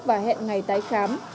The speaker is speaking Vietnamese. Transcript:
và hẹn ngày tái khám